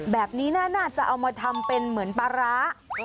แบบนี้น่าจะเอามาทำเป็นเหมือนปลาร้า